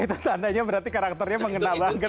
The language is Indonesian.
itu tandanya berarti karakternya mengena banget